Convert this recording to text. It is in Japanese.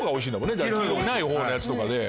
だから黄色くない方のやつとかで。